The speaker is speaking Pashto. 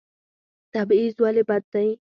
تبعیض ولې بد دی؟